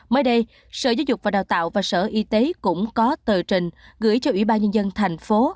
mới đây sở giáo dục và đào tạo và sở y tế cũng có tờ trình gửi cho ủy ban nhân dân thành phố